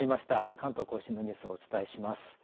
関東甲信のニュースをお伝えします。